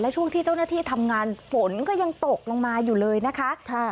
ช่วงที่เจ้าหน้าที่ทำงานฝนก็ยังตกลงมาอยู่เลยนะคะ